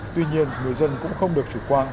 tuy nhiên người dân cũng không được chủ quan